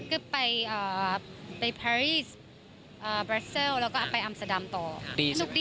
ก็ไปแพรรี่บรสเซิลแล้วก็ไปอัมสดัมต่อ